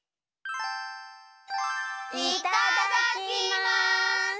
いただきます！